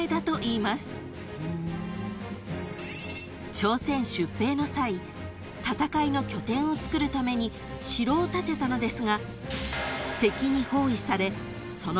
［朝鮮出兵の際戦いの拠点をつくるために城を建てたのですが］